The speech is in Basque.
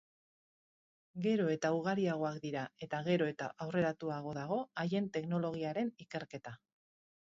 Gero eta ugariagoak dira, eta gero eta aurreratuago dago haien teknologiaren ikerketa.